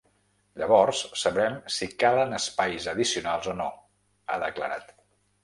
Llavors sabrem si calen espais addicionals o no, ha declarat.